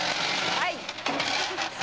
はい。